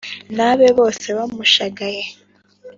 N' abe bose bamushagaye